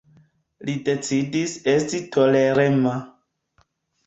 Li decidis esti tolerema.